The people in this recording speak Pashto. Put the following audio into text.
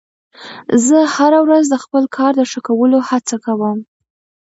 زه هره ورځ د خپل کار د ښه کولو هڅه کوم